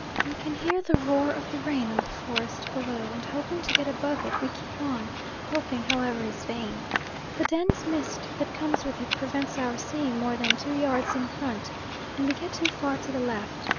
We can hear the roar of the rain on the forest below, and hoping to get above it we keep on; hoping, however, is vain. The dense mist that comes with it prevents our seeing more than two yards in front, and we get too far to the left.